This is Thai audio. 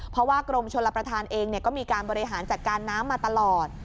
เพราะว่ากรมชลประธานเองก็มีการบริหารจัดการน้ำมาตลอด